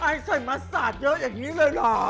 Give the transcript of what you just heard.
อ้ายยยไอส่วนมาสอดเยอะอย่างนี้เลยเหรอ